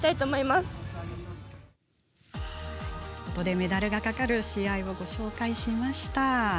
メダルがかかる試合をご紹介しました。